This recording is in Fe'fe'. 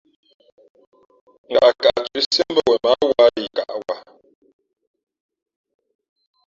Ngaʼkaʼ thʉ̄ʼ siēʼ mbα̌ wen mα ǎ wa yi kaʼ wα.